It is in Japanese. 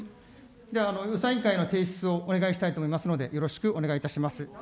では、予算委員会への提出をお願いしたいと思いますので、よろしくお願いいたします。